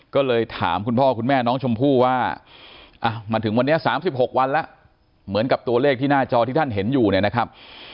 ก็เลยถามคุณพ่อคุณแม่น้องชมพู่ว่ามาถึงวันนี้๓๖วันแล้วเหมือนกับตัวเลขที่หน้าจอที่ท่านเห็นอยู่เนี่ยนะครับ